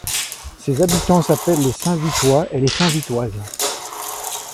Ses habitants s'appellent les Saint-Vithois et Saint-Vithoises.